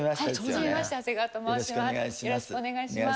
よろしくお願いします。